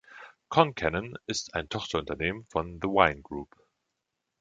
Concannon ist ein Tochterunternehmen von The Wine Group.